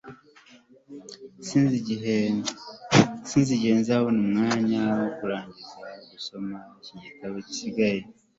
sinzi igihe nzabona umwanya wo kurangiza gusoma iki gitabo gisigaye